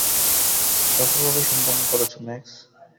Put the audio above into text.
সফলভাবেই সম্পন্ন করেছো ম্যাক্স।